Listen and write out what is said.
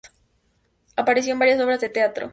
Apareció en varias obras de teatro.